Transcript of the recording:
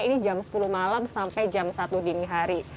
ini jam sepuluh malam sampai jam satu dini hari